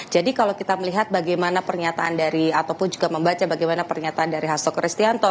kalau kita melihat bagaimana pernyataan dari ataupun juga membaca bagaimana pernyataan dari hasto kristianto